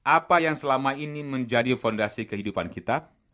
apa yang selama ini menjadi fondasi kehidupan kita